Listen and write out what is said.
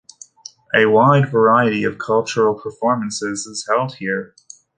A wide variety of cultural performances is held here.